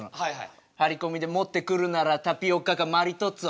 張り込みで持ってくるならタピオカかマリトッツォ。